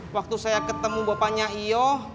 waktu saya ketemu bapaknya io